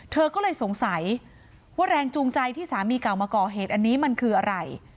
เธอก็เลยสงสัยว่าแรงจูงใจที่สามีเก่ามาก่อเหตุอันนี้มันคืออะไร